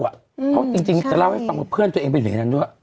เพราะจริงจะเล่าให้ฟังว่าเพื่อนตัวเองไปอยู่ในนั้นด้วย